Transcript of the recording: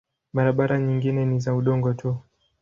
Barabara nyingine ni za udongo tu.